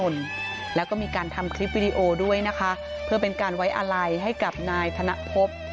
ในการไว้อาลัยให้กับนายธนภพ